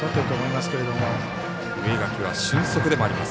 植垣は俊足でもあります。